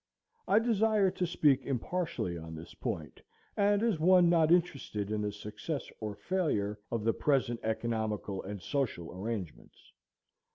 I desire to speak impartially on this point, and as one not interested in the success or failure of the present economical and social arrangements.